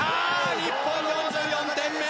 日本、４４点目。